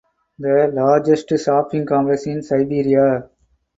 The largest shopping complex in Siberia.